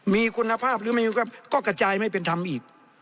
มีคุณภาพหรือไม่มีก็กระจายไม่เป็นธรรมอีก